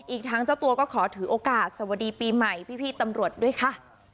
อีกทั้งเจ้าตัวก็ขอถือโอกาสสวัสดีปีใหม่พี่ตำรวจด้วยค่ะ